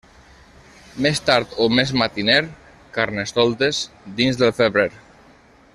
Més tard o més matiner, Carnestoltes, dins del febrer.